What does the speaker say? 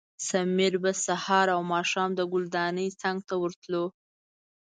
سمیر به سهار او ماښام د ګلدانۍ څنګ ته ورتلو.